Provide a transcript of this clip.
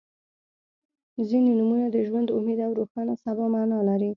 • ځینې نومونه د ژوند، امید او روښانه سبا معنا لري.